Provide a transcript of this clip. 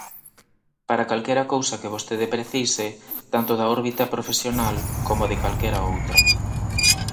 Para calquera cousa que vostede precise, tanto da órbita profesional como de calquera outra.